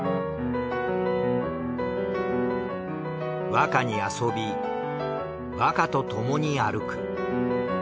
和歌に遊び和歌とともに歩く。